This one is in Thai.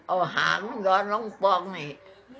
เอาหางอย่อนลงปลองนี้